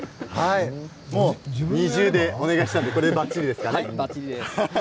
２重でお願いしたのでこれでばっちりですね。